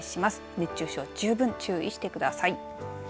熱中症、十分注意してください。